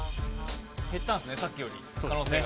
減ったんですね、さっきより可能性が。